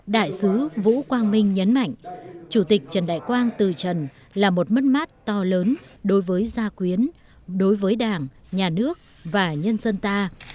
đại sứ vũ quang minh nhấn mạnh chủ tịch trần đại quang từ trần là một mất mát to lớn đối với gia quyến đối với đảng nhà nước và nhân dân ta